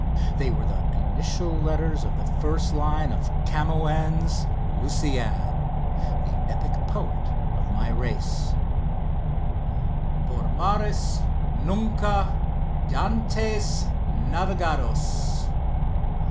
They were the initial letters of the first line of Camoëns' "Lusiad," the epic poet of my race: Por mares nunca d'antes navegados!